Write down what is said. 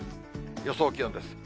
予想気温です。